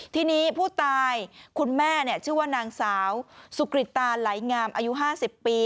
ทีนี้ผู้ตายคุณแม่ชื่อว่านางสาวสุกริตตาไหลงามอายุ๕๐ปี